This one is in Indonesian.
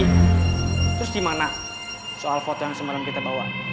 terus gimana soal foto yang semalam kita bawa